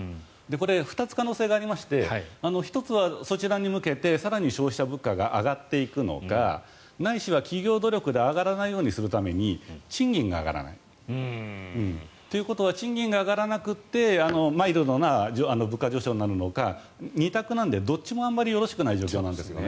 これ、２つ可能性がありまして１つはそちらに向けて更に消費者物価が上がっていくのかないしは企業努力で上がらないようにするために賃金が上がらない。ということは賃金が上がらなくてマイルドな物価上昇になるのか２択なのでどっちもあまりよろしくない状況なんです。